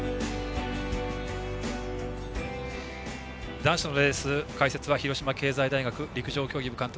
男子のレース、解説は広島経済大学陸上競技部監督